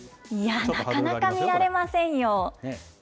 なかなか見られませんよ。